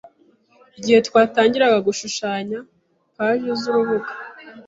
Igihe twatangiraga gushushanya paji zurubuga,